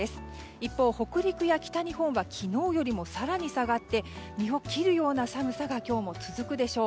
一方、北陸や北日本は昨日よりも更に下がって身を切るような寒さが今日も続くでしょう。